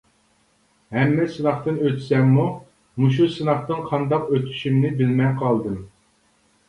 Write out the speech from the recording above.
ھەممە سىناقتىن ئۆتسەممۇ، مۇشۇ سىناقتىن قانداق ئۆتۈشۈمنى بىلمەي قالدىم.